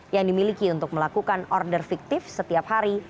yang dimiliki untuk melakukan order fiktif setiap hari